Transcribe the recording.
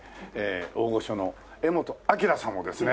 大御所の柄本明さんをですね